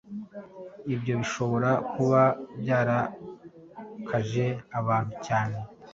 Ibyo bishobora kuba byararakaje abantu cyane